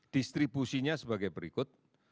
distribusinya sebagai berikut